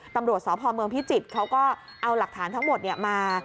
ตำรวจสพเมืองพิจิตรเขาก็เอาหลักฐานทั้งหมดมา